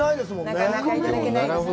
なかなか、いただけないです。